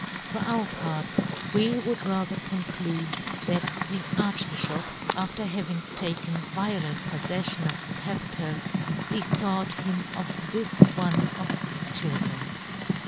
For our part we would rather conclude that the Archbi{hop, after having taken vio lent poffeffion of the capital, be thought him of this one of its chil dren.